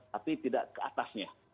tapi tidak ke atasnya